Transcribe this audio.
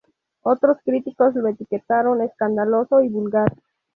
Otros críticos lo etiquetaron "escandaloso" y "vulgar".